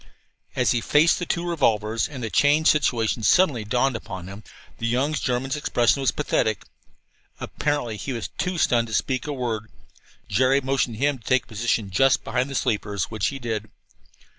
As he faced the two revolvers, and the changed situation suddenly dawned upon him, the young German's expression was pathetic. Apparently he was too stunned to speak a word. Jerry motioned him to take a position just behind the sleepers, which he did.